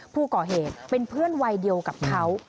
ผู้ก่อเหตุเป็นเพื่อนวัยเดียวกับเขา